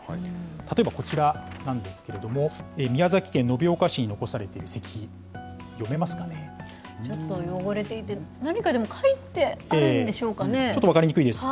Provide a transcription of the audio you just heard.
例えばこちらなんですけれども、宮崎県延岡市に残されている石碑、ちょっと汚れていて、何かでちょっと分かりにくいです。